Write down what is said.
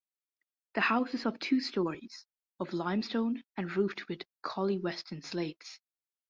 The house is of two stories, of limestone and roofed with Collyweston slates.